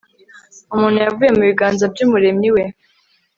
Umuntu yavuye mu biganza byUmuremyi we